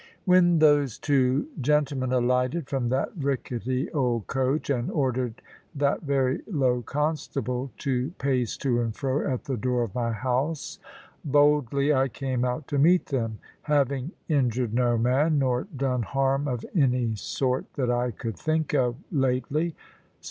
When those two gentlemen alighted from that rickety old coach, and ordered that very low constable to pace to and fro at the door of my house, boldly I came out to meet them, having injured no man, nor done harm of any sort that I could think of, lately.